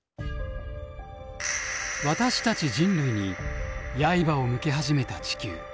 私たち人類に刃を向け始めた地球。